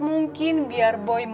mungkin biar boy